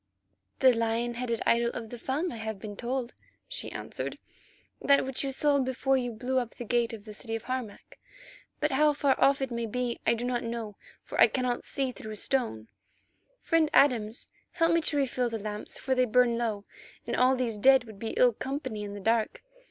"The lion headed idol of the Fung, I have been told," she answered. "That which you saw before you blew up the gate of the city Harmac. But how far off it may be I do not know, for I cannot see through stone. Friend Adams, help me to refill the lamps, for they burn low, and all these dead would be ill company in the dark.